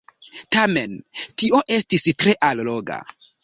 Tamen tio estis tre alloga!